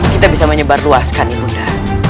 kita bisa menyebar luaskan nih bunda